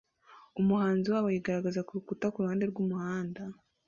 Umuhanzi waho yigaragaza kurukuta kuruhande rwumuhanda